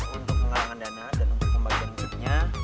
untuk pengarangan dana dan untuk pembagian listriknya